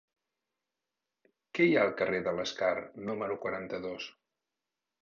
Què hi ha al carrer de l'Escar número quaranta-dos?